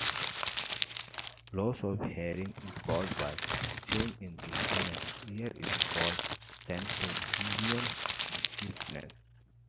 Loss of hearing caused by changes in the inner ear is called sensorineural deafness.